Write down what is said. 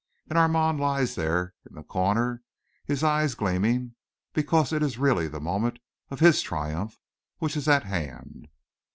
And Armand lies there in the corner, his eyes gleaming, because it is really the moment of his triumph which is at hand!"